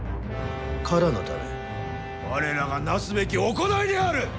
唐のため我らがなすべき行いである！